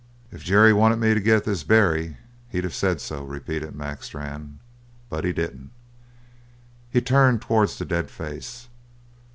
"If Jerry'd wanted me to get this Barry, he'd of said so," repeated Mac Strann. "But he didn't." He turned towards the dead face.